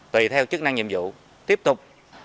tùy theo chức năng nhiệm vụ tiếp tục